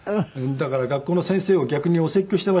だから学校の先生を逆にお説教していましたね。